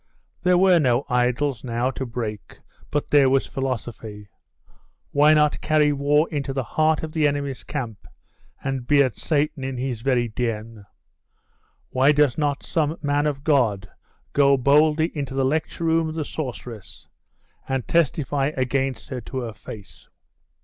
There were no idols now to break but there was philosophy 'Why not carry war into the heart of the enemy's camp, and beard Satan in his very den? Why does not some man of God go boldly into the lecture room of the sorceress, and testify against her to her face?